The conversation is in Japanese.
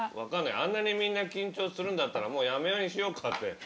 あんなにみんな緊張するんだったらもうやめにしようかって。